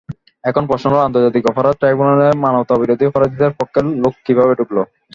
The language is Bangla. এখন প্রশ্ন হলো, আন্তর্জাতিক অপরাধ ট্রাইব্যুনালে মানবতাবিরোধী অপরাধীদের পক্ষের লোক কীভাবে ঢুকল।